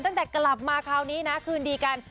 ตั้งแต่กลับมาคราวนี้นะคืนดีกัน